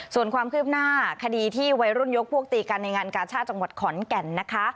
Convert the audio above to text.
ส่วนความคืบหน้าคดีที่วัยรุ่นยกพวกตีกันในงานกาชาติจังหวัดขอนแก่นนะคะ